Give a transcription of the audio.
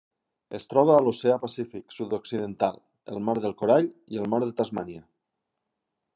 Es troba a l'Oceà Pacífic sud-occidental: el Mar del Corall i el Mar de Tasmània.